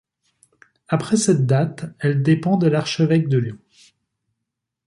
Après cette date, elle dépend de l'Archevêque de Lyon.